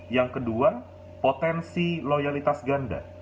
yang kedua potensi loyalitas ganda